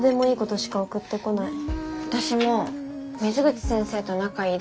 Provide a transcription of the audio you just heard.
私も水口先生と仲いい